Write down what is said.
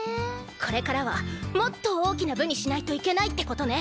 これからはもっと大きな部にしないといけないってことね。